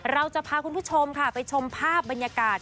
เราจะพาคุณผู้ชมค่ะไปชมภาพบรรยากาศ